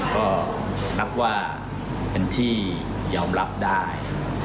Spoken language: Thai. ก็นับว่าเป็นที่ยอมรับได้